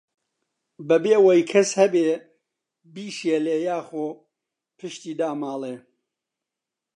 بەبێ وەی کەس هەبێ بیشێلێ، یاخۆ پشتی داماڵێ